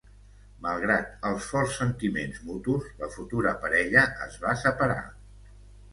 Malgrat els forts sentiments mutus, la futura parella es va separar.